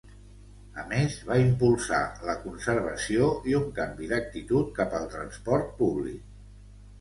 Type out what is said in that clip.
A més va impulsar la conservació i un canvi d'actitud cap al transport públic.